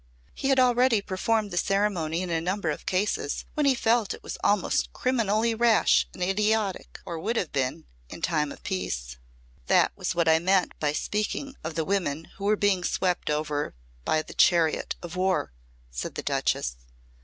He had already performed the ceremony in a number of cases when he felt it was almost criminally rash and idiotic, or would have been in time of peace." "That was what I meant by speaking of the women who were being swept over by the chariot of war," said the Duchess.